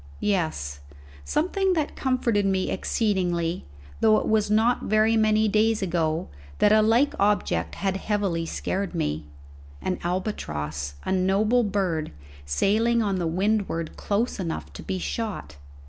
Yes something that comforted me exceedingly, though it was not very many days ago that a like object had heavily scared me an albatross, a noble bird, sailing on the windward close enough to be shot.